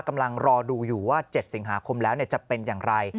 กำลังรอดูอยู่ว่า๗สิงหาคมแล้วจะเป็นอย่างไร